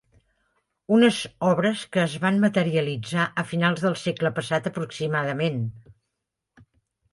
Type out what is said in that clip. Unes obres que es van materialitzar a finals del segle passat aproximadament.